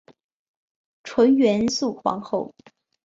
纯元肃皇后。